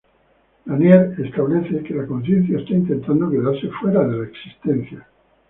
Lanier establece que la "consciencia está intentado quedarse fuera de la existencia".